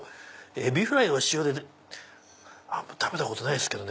えびフライを塩で食べたことないですけどね